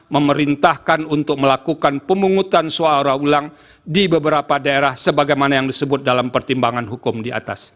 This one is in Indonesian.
memerintahkan untuk melakukan pemungutan suara ulang di beberapa daerah sebagaimana yang disebut dalam pertimbangan hukum di atas